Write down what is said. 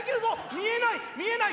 見えない見えない！